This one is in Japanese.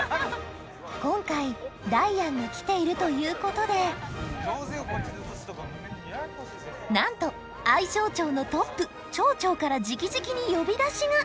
今回ダイアンが来ているということでなんと愛荘町のトップ町長から直々に呼び出しが！